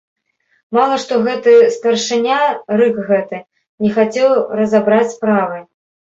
Мала што гэты старшыня, рык гэты, не захацеў разабраць справы.